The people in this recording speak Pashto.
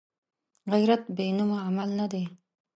غیرت بېنومه عمل نه دی